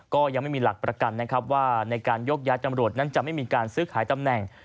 ก็ยังไม่มีหลักประกันนะครับว่าในการยกย้ายจำรวจนั้นจะไม่มีการซื้อขายตำแหน่ง